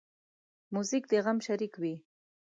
موزیک د غم شریک وي.